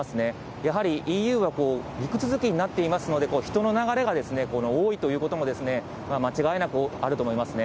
やはりＥＵは陸続きになっていますので、人の流れが多いということも、間違いなくあると思いますね。